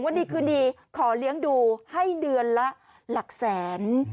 วันดีคืนดีขอเลี้ยงดูให้เดือนละหลักแสน